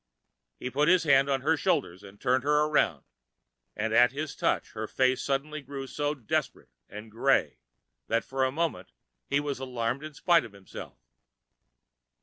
He put his hand on her shoulder to turn her around, and at his touch her face suddenly grew so desperate and gray that for a moment he was alarmed in spite of himself.